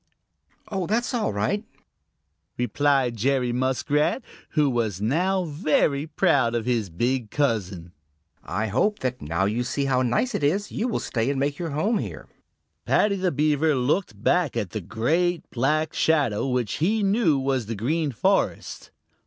"Oh, that's all right," replied Jerry Muskrat, who was now very proud of his big cousin. "I hope that now you see how nice it is, you will stay and make your home here." Paddy the Beaver looked back at the great black shadow which he knew was the Green Forest.